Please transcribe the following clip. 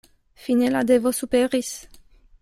Fine la devo superis.